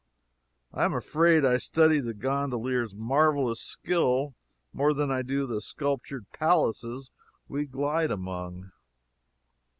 I am afraid I study the gondolier's marvelous skill more than I do the sculptured palaces we glide among.